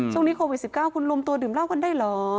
ช่วงนี้โควิด๑๙คุณรวมตัวดื่มเหล้ากันได้เหรอ